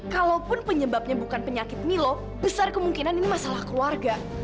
kalaupun penyebabnya bukan penyakit nilo besar kemungkinan ini masalah keluarga